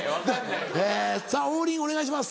えさぁ王林お願いします。